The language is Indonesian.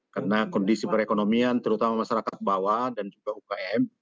karena kondisi perekonomian terutama masyarakat bawah dan juga ukm